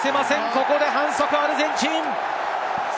ここで反則、アルゼンチン。